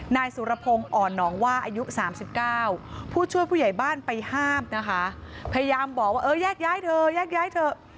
นายสุรพงศ์อ่อนหนองว่าอายุ๓๙ผู้ช่วยผู้ใหญ่บ้านไปห้ามพยายามบอกว่าแยกย้ายเถอะ